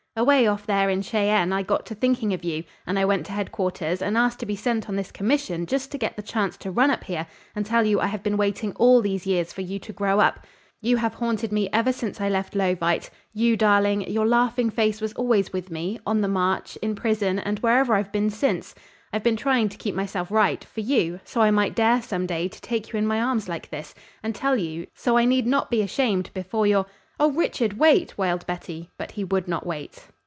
"Away off there in Cheyenne I got to thinking of you, and I went to headquarters and asked to be sent on this commission just to get the chance to run up here and tell you I have been waiting all these years for you to grow up. You have haunted me ever since I left Leauvite. You darling, your laughing face was always with me, on the march in prison and wherever I've been since. I've been trying to keep myself right for you so I might dare some day to take you in my arms like this and tell you so I need not be ashamed before your " "Oh, Richard, wait!" wailed Betty, but he would not wait.